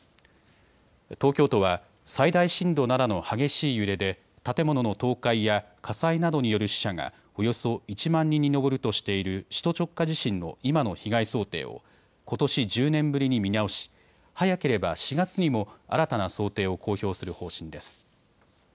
東京都は最大震度７の激しい揺れで建物の倒壊や火災などによる死者がおよそ１万人に上るとしている首都直下地震の今の被害想定をことし１０年ぶりに見直し早ければ４月にも新たな想定を公表する方針です。